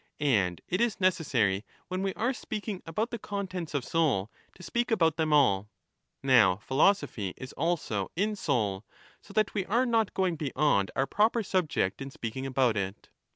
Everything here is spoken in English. And it is necessary, when we are speaking about the contents of soul, to speak about them all ; now philosophy is also in soul ; so that we are not going beyond our proper subject 35 in speaking about it.